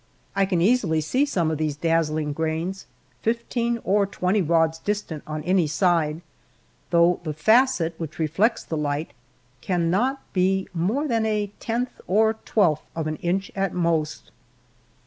I can easilj^ see some of these dazzling grains fifteen or twenty rods distant on any side, though the facet which reflects the light cannot be more than a tenth or twelfth of an inch at most.